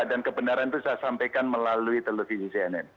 dan kebenaran itu saya sampaikan melalui televisi cnn